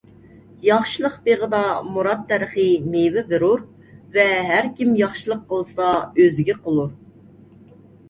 ياخشىلىق بېغىدا مۇراد دەرىخى مېۋە بېرۇر ۋە ھەر كىم ياخشىلىق قىلسا ئۆزىگە قىلۇر.